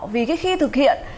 vì cái khi thực hiện